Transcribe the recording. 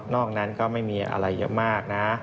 นอกนั้นก็ไม่มีอะไรมากนะ